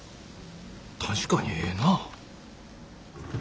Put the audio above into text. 確かにええなぁ。